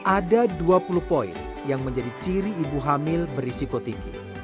ada dua puluh poin yang menjadi ciri ibu hamil berisiko tinggi